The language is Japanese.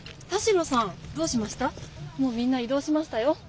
もうみんないどうしましたよ。